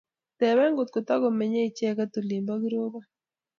Teben ngotko takomennye icheget olin po Kirobon.